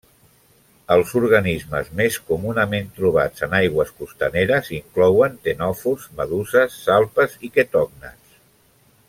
Els organismes més comunament trobats en aigües costaneres inclouen ctenòfors, meduses, salpes i quetògnats.